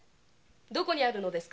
どこにあるのですか！